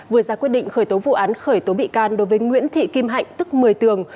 vừa ra quyết định khởi tố vụ án khởi tố bị can đối với nguyễn thị kim hạnh tức một mươi tường